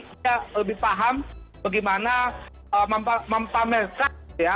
dia lebih paham bagaimana mempamerkan ya